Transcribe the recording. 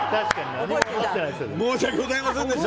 申し訳ございませんでした。